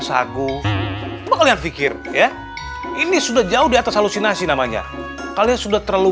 sagu kalian pikir ya ini sudah jauh di atas halusinasi namanya kalian sudah terlalu